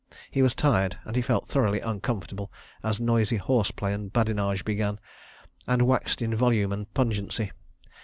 He was tired, and he felt thoroughly uncomfortable, as noisy horse play and badinage began, and waxed in volume and pungency.